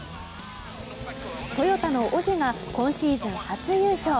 トヨタのオジェが今シーズン初優勝。